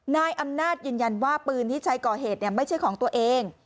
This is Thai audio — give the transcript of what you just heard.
นายอำนาจยืนยันว่าปืนที่ใช้ก่อเหตุไม่ใช่ของตัวเอง